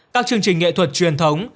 các chương trình nghệ thuật truyền thống